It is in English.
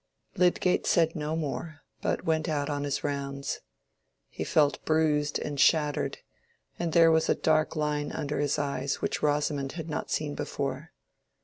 Lydgate said no more, but went out on his rounds. He felt bruised and shattered, and there was a dark line under his eyes which Rosamond had not seen before.